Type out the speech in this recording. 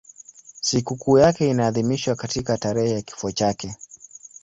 Sikukuu yake inaadhimishwa katika tarehe ya kifo chake.